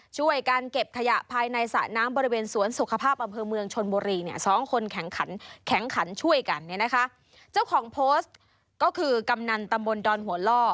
เจ้าของโพสต์ก็คือกำนันตมบลดอนหัวล่อ